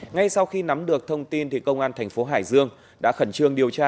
ngay sau khi nắm được thông tin công an tp hải dương đã khẩn trương điều tra